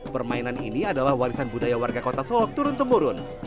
permainan ini adalah warisan budaya warga kota solok turun temurun